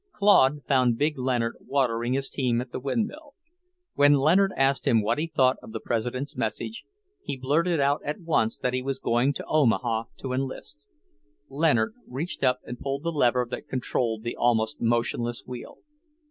Claude found big Leonard watering his team at the windmill. When Leonard asked him what he thought of the President's message, he blurted out at once that he was going to Omaha to enlist. Leonard reached up and pulled the lever that controlled the almost motionless wheel.